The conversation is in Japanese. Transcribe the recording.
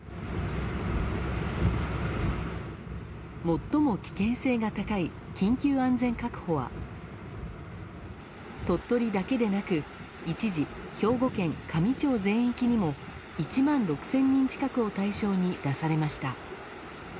最も危険性が高い緊急安全確保は鳥取だけでなく一時、兵庫県香美町全域にも１万６０００人近くを対象に出されました。